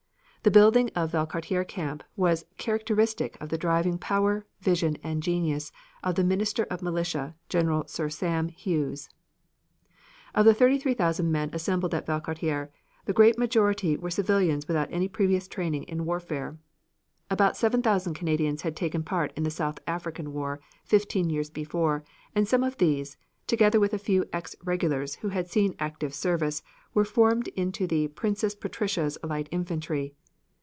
The building of Valcartier camp was characteristic of the driving power, vision and genius of the Minister of Militia, General Sir Sam Hughes. Of the 33,000 men assembled at Valcartier, the great majority were civilians without any previous training in warfare. About 7,000 Canadians had taken part in the South African war, fifteen years before, and some of these, together with a few ex regulars who had seen active service, were formed into the Princess Patricia's Light Infantry.